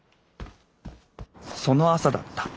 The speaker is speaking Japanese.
その朝だった。